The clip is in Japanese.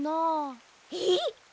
えっ！